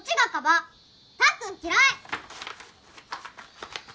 たっくん嫌い！